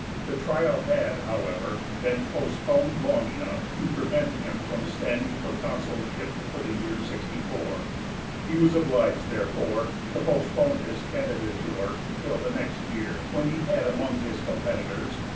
The trial had, however, been postponed long enough to prevent him from standing for the Consulship for the year 64. He was obliged, therefore, to postpone his candidature till the next year, when he had among his competitors M.